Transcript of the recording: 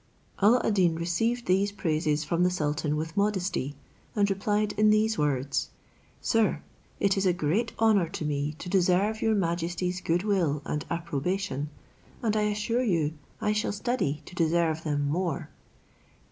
Alla ad Deen received these praises from the sultan with modesty, and replied in these words: "Sir, it is a great honour to me to deserve your majesty's good will and approbation, and I assure you, I shall study to deserve them more."